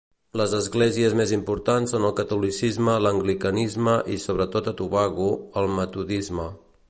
Les esglésies més importants són el catolicisme l'anglicanisme i, sobretot a Tobago, el metodisme.